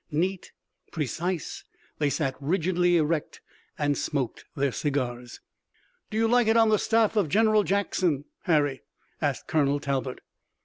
Neat, precise, they sat rigidly erect, and smoked their cigars. "Do you like it on the staff of General Jackson, Harry," asked Colonel Talbot.